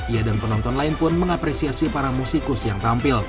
ia dan penonton lain pun mengapresiasi para musikus yang tampil